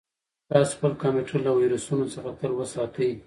تاسو خپل کمپیوټر له ویروسونو څخه تل وساتئ.